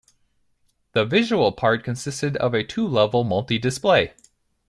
The visual part consisted of a two level multidisplay.